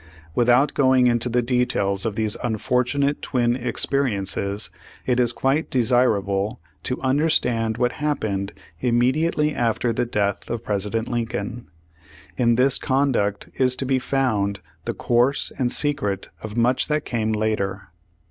Without going into the details of these unfor tunate twin experiences, it is quite desirable to understand what happened immediately after the death of President Lincoln. In this conduct is to be found the course and secret of much that came later.